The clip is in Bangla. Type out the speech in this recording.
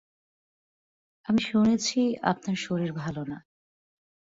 আমি শুনেছি আপনার শরীর ভাল না।